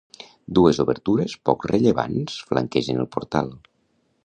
Dues obertures poc rellevants flanquegen el portal.